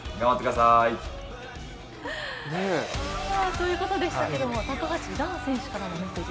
ということでしたけれども高橋藍選手からのメッセージ。